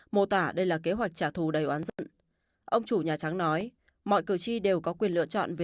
mô tả đây là kế hoạch trả thù đầy oán dẫn